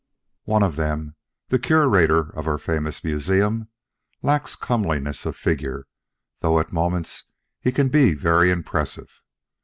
One of them the Curator of our famous museum lacks comeliness of figure, though at moments he can be very impressive.